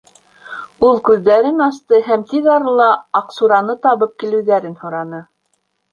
Ул күҙҙәрен асты һәм тиҙ арала Аҡсураны табып килеүҙәрен һораны.